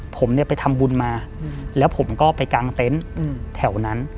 ผมเนี่ยไปทำบุญมาแล้วผมก็ไปกางเต็นต์แถวนั้น